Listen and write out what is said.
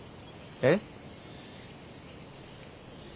えっ？